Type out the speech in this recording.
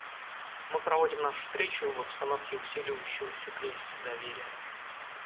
Мы проводим нашу встречу в обстановке усиливающегося кризиса доверия.